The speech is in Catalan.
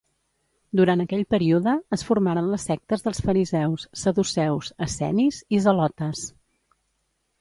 Durant aquell període es formaren les sectes dels fariseus, saduceus, essenis i zelotes.